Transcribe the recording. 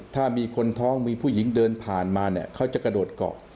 ถ้ามีคนท้องมีผู้หญิงเดินผ่านมาเนี่ยเขาจะกระโดดเกาะ